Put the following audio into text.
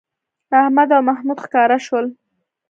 احمد او محمود ښکاره شول